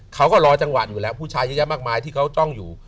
เขาก็รอจังหวะอยู่แล้วผู้ชายเยอะแยะมากมายที่เขาจ้องอยู่